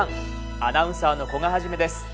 アナウンサーの古賀一です。